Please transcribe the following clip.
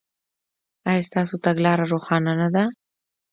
ایا ستاسو تګلاره روښانه نه ده؟